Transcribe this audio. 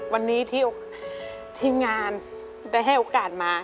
วันนี้ที่ทีมงานได้ให้โอกาสมา